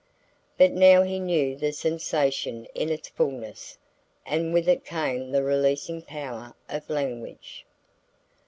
But now he knew the sensation in its fulness, and with it came the releasing power of language.